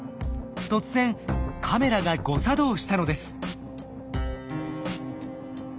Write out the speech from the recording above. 突然カメラが誤作動したのです。